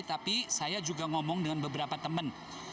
tapi saya juga ngomong dengan beberapa teman